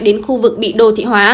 đến khu vực bị đô thị hóa